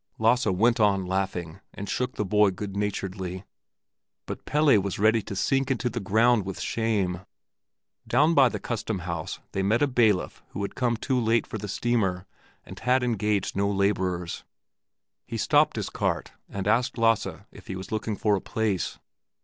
Lasse went on laughing, and shook the boy goodnaturedly. But Pelle was ready to sink into the ground with shame. Down by the custom house they met a bailiff who had come too late for the steamer and had engaged no laborers. He stopped his cart and asked Lasse if he was looking for a place.